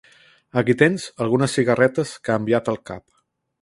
Aquí tens algunes cigarretes que ha enviat el cap.